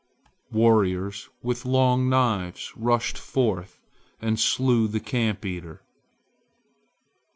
Warriors with long knives rushed forth and slew the camp eater.